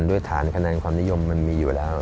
ด้วยฐานคะแนนความนิยมมันมีอยู่แล้ว